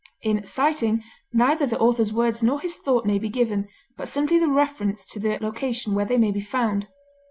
In citing, neither the author's words nor his thought may be given, but simply the reference to the location where they may be found.